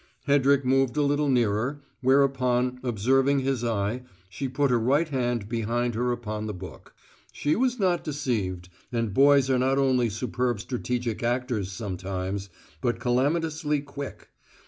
Hedrick moved a little nearer, whereupon, observing his eye, she put her right hand behind her upon the book. She was not deceived, and boys are not only superb strategic actors sometimes, but calamitously quick.